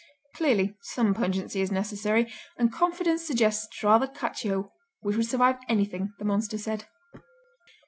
Clearly, some pungency is necessary, and confidence suggests rather Cacio which would survive anything, the monster said.